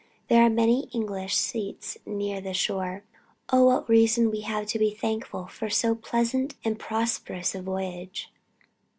There are many English seats near the shore.... Oh, what reason we have to be thankful for so pleasant and prosperous a voyage....